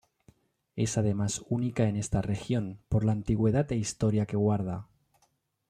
Es además única en esta región por la antigüedad e historia que guarda.